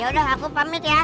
yaudah aku pamit ya